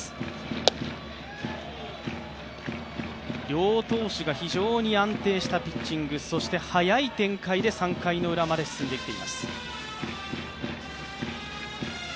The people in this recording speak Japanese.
両投手が非常に安定したピッチング、そして早い展開で３回のウラまで進んできています。